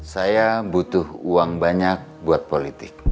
saya butuh uang banyak buat politik